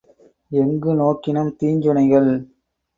எங்கு நோக்கினும் தீஞ்சுனைகள்.